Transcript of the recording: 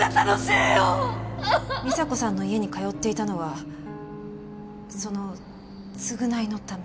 美沙子さんの家に通っていたのはその償いのため。